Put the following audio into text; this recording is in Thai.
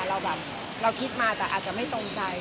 เราคิดมาแต่อาจจะไม่ตรงใจ